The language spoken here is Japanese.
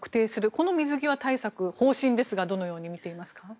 この水際対策、方針ですがどのように見ていますか？